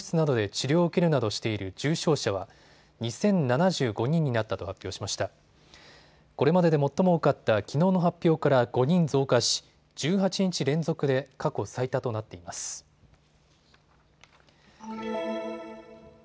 これまでで最も多かったきのうの発表から５人増加し、１８日連続で過去最多となっています。